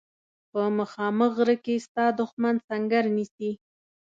په مخامخ غره کې ستا دښمن سنګر نیسي.